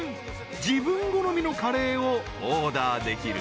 ［自分好みのカレーをオーダーできる］